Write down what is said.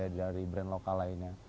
dari brand lokal lainnya